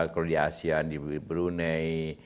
kalau di asean di brunei